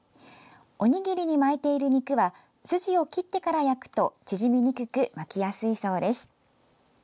おにぎりに巻いているお肉は筋を切ってから焼くと縮みにくく巻きやすいそうです。